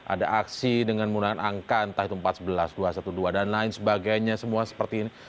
ada aksi dengan menggunakan angka entah itu empat belas dua ratus dua belas dan lain sebagainya semua seperti ini